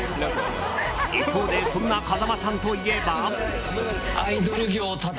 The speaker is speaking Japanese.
一方でそんな風間さんといえば。